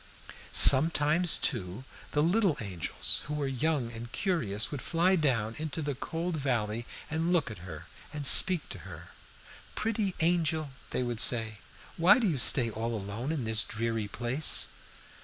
"Sometimes, too, the little angels, who were young and curious, would fly down into the cold valley and look at her and speak to her. "'Pretty angel,' they would say, 'why do you stay all alone in this dreary place?'